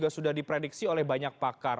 sudah di prediksi oleh banyak pakar